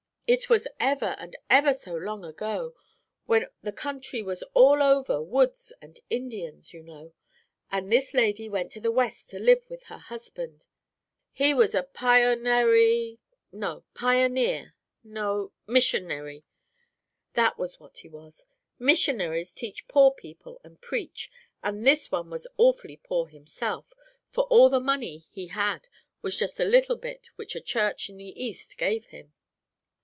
It was ever and ever so long ago, when the country was all over woods and Indians, you know, and this lady went to the West to live with her husband. He was a pio nary, no, pioneer, no, missionary, that was what he was. Missionaries teach poor people and preach, and this one was awfully poor himself, for all the money he had was just a little bit which a church in the East gave him.